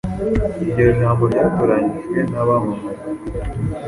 Iryo jambo ryatoranyijwe n’abamwamamazaga,